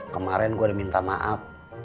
kemarin gue minta maaf sama emak